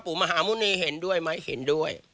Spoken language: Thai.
มหาหมุณีเห็นด้วยไหมเห็นด้วย